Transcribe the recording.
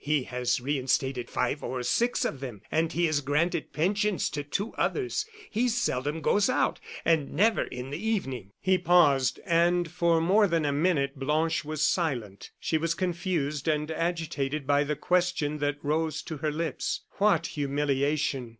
He has reinstated five or six of them, and he has granted pensions to two others. He seldom goes out, and never in the evening." He paused and for more than a minute Blanche was silent. She was confused and agitated by the question that rose to her lips. What humiliation!